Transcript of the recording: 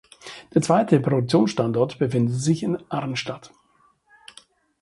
Der zweite Produktionsstandort befindet sich in Arnstadt.